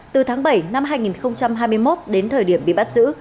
từ tháng bảy năm hai nghìn hai mươi một đến thời điểm bị bắt giữ